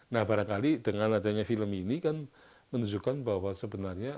nah barangkali dengan adanya film ini kan menunjukkan bahwa sebenarnya